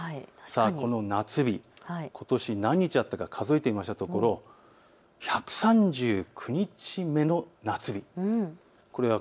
その夏日、ことし何日あったか数えてみたところ１３９日目の夏日でした。